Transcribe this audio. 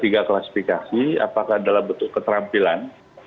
tiga klasifikasi apakah dalam bentuk keterampilan